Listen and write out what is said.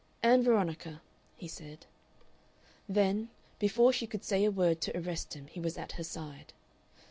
"Ann Veronica," he said. Then before she could say a word to arrest him he was at her side.